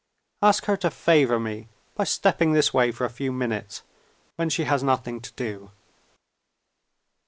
Ask her to favor me by stepping this way for a few minutes, when she has nothing to do."